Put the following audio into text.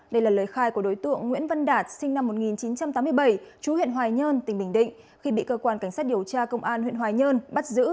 đây là lời khai của đối tượng nguyễn văn đạt sinh năm một nghìn chín trăm tám mươi bảy chú huyện hoài nhơn tỉnh bình định khi bị cơ quan cảnh sát điều tra công an huyện hoài nhơn bắt giữ